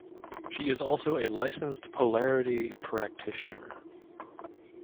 She is also a licensed Polarity practitioner.